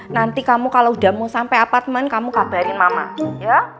nanti kamu kalau udah mau sampai apartemen kamu kabarin mama ya